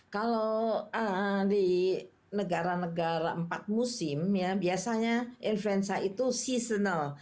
kalau di negara negara empat musim ya biasanya influenza itu seasonal